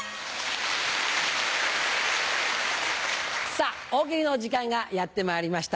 さぁ大喜利の時間がやってまいりました。